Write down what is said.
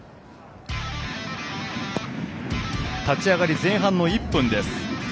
立ち上がり前半の１分です。